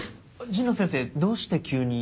神野先生どうして急に？